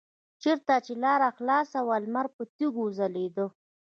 چېرته چې لاره خلاصه وه لمر پر تیږو ځلیده.